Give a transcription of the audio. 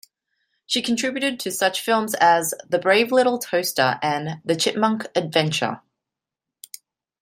She contributed to such films as "The Brave Little Toaster" and "The Chipmunk Adventure".